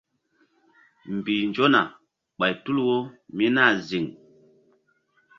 Mbih nzona ɓay tul wo mí nah ziŋ.